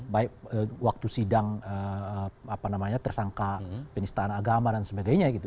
baik waktu sidang tersangka penistaan agama dan sebagainya gitu